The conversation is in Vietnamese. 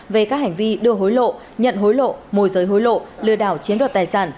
về các hành vi đưa hối lộ nhận hối lộ môi giới hối lộ lừa đảo chiếm đoạt tài sản